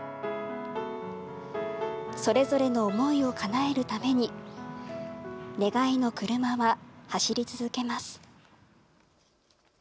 それぞれの思いをかなえるために願いのくるまは走り続けます。